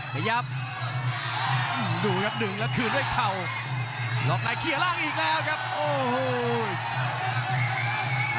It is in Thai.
ขยับดูครับดึงแล้วคืนด้วยเข่าล็อกในเคลียร์ล่างอีกแล้วครับโอ้โห